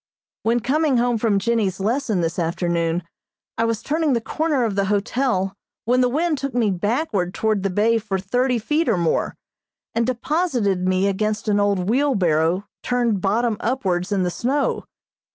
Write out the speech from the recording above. When coming home from Jennie's lesson this afternoon I was turning the corner of the hotel when the wind took me backward toward the bay for thirty feet or more, and deposited me against an old wheelbarrow turned bottom upwards in the snow.